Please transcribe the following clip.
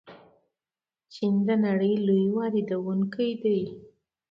چین د نړۍ لوی واردونکی دی.